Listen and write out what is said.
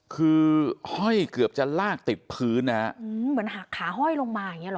คือห้อยเกือบจะลากติดพื้นนะฮะเหมือนหักขาห้อยลงมาอย่างเงี้หรอ